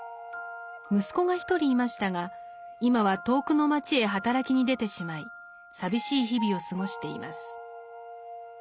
息子が一人いましたが今は遠くの町へ働きに出てしまい寂しい日々を過ごしています。